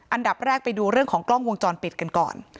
อันดับแรกไปดูเรื่องของกล้องวงจรปิดกันก่อน